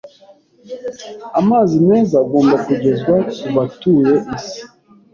Amazi meza agomba kugezwa ku batuye isi.